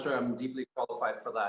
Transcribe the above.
saya berkualifikasi dalam hal itu